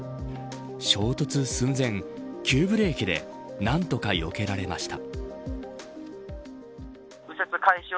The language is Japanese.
衝突寸前急ブレーキで何とかよけられました。